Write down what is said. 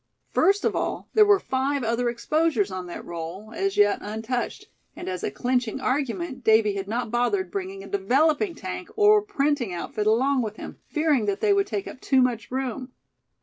First of all, there were five other exposures on that roll, as yet untouched; and as a clinching argument, Davy had not bothered bringing a developing tank, or printing outfit along with him, fearing that they would take up too much room.